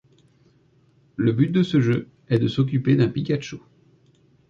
Le but de ce jeu est de s'occuper d'un Pikachu.